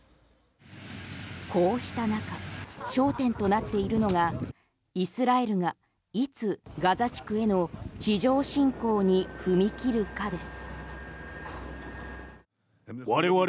こうした中焦点となっているのがイスラエルがいつガザ地区への地上侵攻に踏み切るかです。